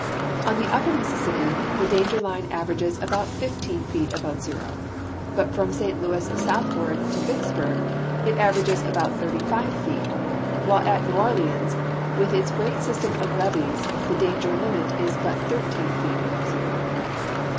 On the upper Mississi])pi the danger line averages about 15 feet above zero, but from St. Louis south ward to Vicksburg it averages about 35 feet, while at New Orleans, with its great system of levees, the danger limit is but 13 feet above zero.